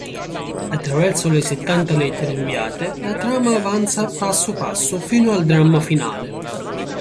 Attraverso le settanta lettere inviate, la trama avanza passo passo fino al dramma finale.